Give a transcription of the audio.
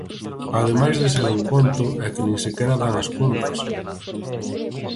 Ademais de ser un conto, é que nin sequera dan as contas.